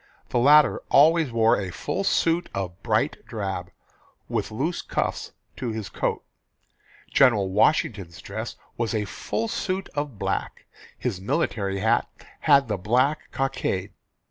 The latter always wore a full suit of bright drab, with loose cuffs to his coat. General Washington's dress was a full suit of black. His military hat had the black cockade.